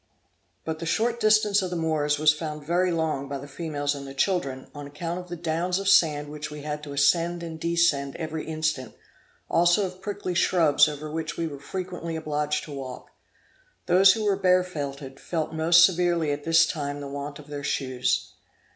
But the short distance of the Moors was found very long by the females and the children, on account of the downs of sand which we had to ascend and descend every instant, also of prickly shrubs over which we were frequently obliged to walk. Those who were barefooted, felt most severely at this time the want of their shoes.